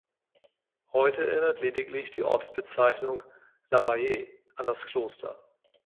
Heute erinnert lediglich die Ortsbezeichnung L’Abbaye an das Kloster.